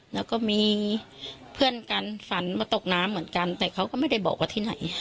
แล้วก็มีเพื่อนกันฝันว่าตกน้ำเหมือนกันแต่เขาก็ไม่ได้บอกว่าที่ไหน